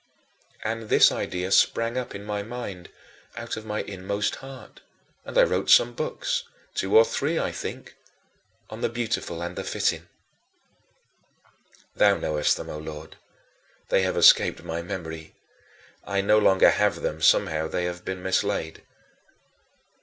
And this idea sprang up in my mind out of my inmost heart, and I wrote some books two or three, I think On the Beautiful and the Fitting. Thou knowest them, O Lord; they have escaped my memory. I no longer have them; somehow they have been mislaid.